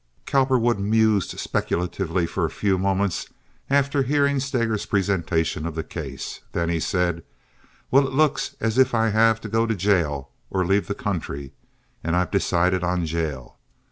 Cowperwood mused speculatively for a few moments after hearing Steger's presentation of the case. Then he said: "Well, it looks as if I have to go to jail or leave the country, and I've decided on jail.